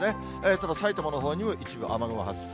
ただ埼玉のほうにも一部雨雲発生。